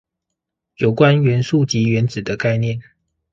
有關元素及原子的概念